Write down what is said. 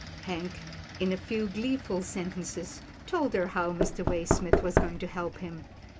Hank, in a few gleeful sentences, told her how Mr. Waysmith was going to help him.